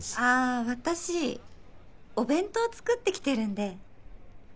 あっ私お弁当作ってきてるんで。